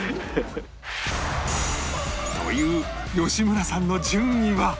という吉村さんの順位は？